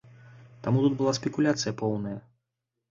Таму тут была спекуляцыя поўная.